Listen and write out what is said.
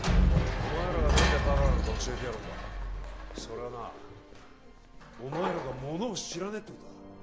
お前らがなんでバカなのか教えてやろうかそれはなお前らがものを知らねえってことだ